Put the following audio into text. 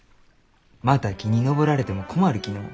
また木に登られても困るきのう。